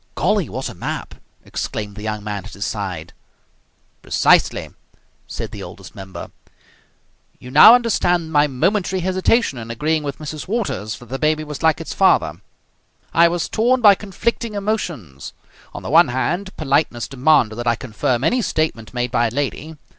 "Golly! What a map!" exclaimed the young man at his side. "Precisely!" said the Oldest Member. "You now understand my momentary hesitation in agreeing with Mrs. Waters that the baby was like its father. I was torn by conflicting emotions. On the one hand, politeness demanded that I confirm any statement made by a lady.